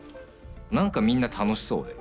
何かみんな楽しそうで。